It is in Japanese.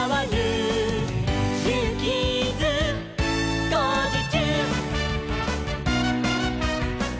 「ジューキーズ」「こうじちゅう！」